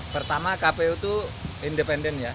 pertama kpu itu independen ya